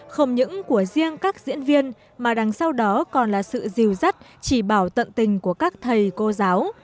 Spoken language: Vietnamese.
không những của riêng các diễn viên mà đằng sau đó còn là sự dìu dắt chỉ bảo tận tình của các thầy cô giáo